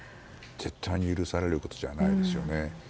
絶対に許されることじゃないですよね。